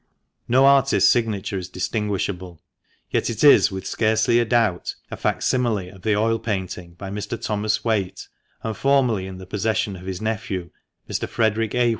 No artist's signature is distinguishable, yet it is with scarcely a doubt a fac simik of the oil painting by Mr. Thomas Whaite, and formerly in the possession of his nephew, Mr. Frederick A.